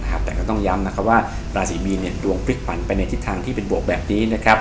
แต่ก็ต้องย้ำว่าราศีบีนดวงปริกปันไปในทิศทางที่เป็นบวกแบบนี้